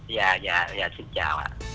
dạ dạ dạ xin chào ạ